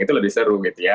itu lebih seru gitu ya